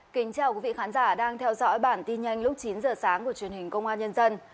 kính chào quý vị khán giả đang theo dõi bản tin nhanh lúc chín giờ sáng của truyền hình công an nhân dân